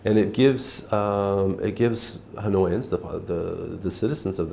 nếu tôi có thể hiểu được